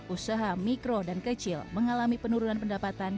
usaha mikro dan kecil mengalami penurunan pendapatan